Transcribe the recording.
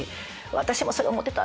「私もそれ思ってた！」